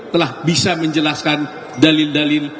telah bisa menjelaskan dalil dalil